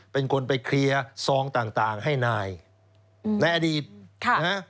เป็นคนไปเคลียร์ซองต่างให้นายในอดีตนะฮะ